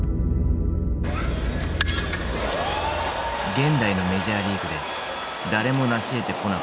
現代のメジャーリーグで誰もなしえてこなかった二刀流。